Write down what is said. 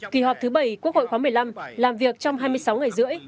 kỳ họp thứ bảy quốc hội khóa một mươi năm làm việc trong hai mươi sáu ngày rưỡi